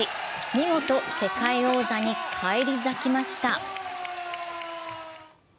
見事、世界王座に返り咲きました。